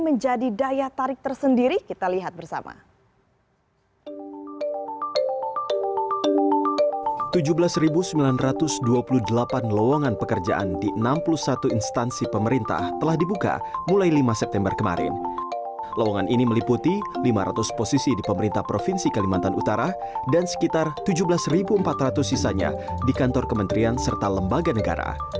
menjadi daya tarik tersendiri kita lihat bersama